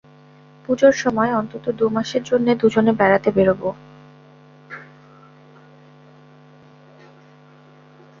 পুজোর সময় অন্তত দু মাসের জন্যে দুজনে বেড়াতে বেরোব।